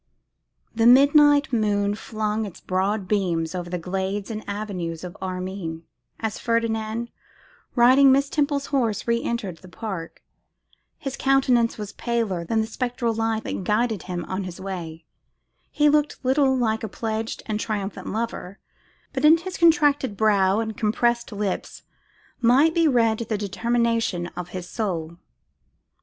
THE midnight moon flung its broad beams over the glades and avenues of Armine, as Ferdinand, riding Miss Temple's horse, re entered the park. His countenance was paler than the spectral light that guided him on his way. He looked little like a pledged and triumphant lover; but in his contracted brow and compressed lip might be read the determination of his soul.